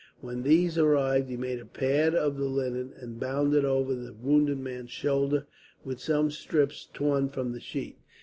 When these arrived he made a pad of the linen, and bound it over the wounded man's shoulder with some strips torn from the sheet.